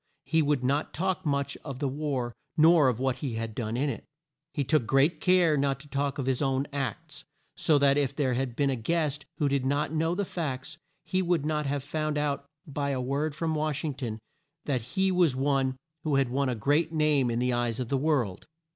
He would not talk much of the war nor of what he had done in it. He took great care not to talk of his own acts, so that if there had been a guest who did not know the facts, he would not have found out by a word from Wash ing ton that he was one who had won a great name in the eyes of the world.